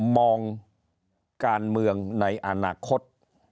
มองการเมืองในอนาคต